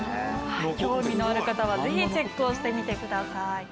興味のある方はぜひチェックをしてみてください。